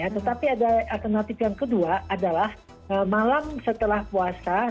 tetapi ada alternatif yang kedua adalah malam setelah puasa